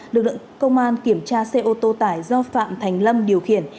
lực lượng công an kiểm tra xe ô tô tải do phạm thành lâm điều khiển